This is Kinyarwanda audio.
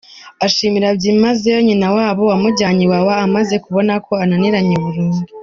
Arashimira byimazeyo nyina wabo wamujyane Iwawa amaze kubona ko ananiranye Burundu.